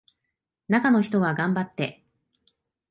中の人は頑張って